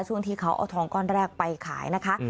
ช่วงที่เขาเอาทองก้อนแรกไปขายนะคะ